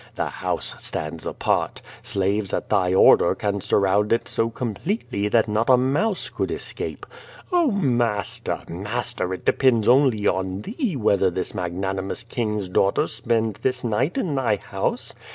The house stands apart. Slaves at thy order can surround it so completely that not a mouse could escape. Oh, master, master, it depends only on thee whether this mag nanimous king's daughter spend this night in thy house.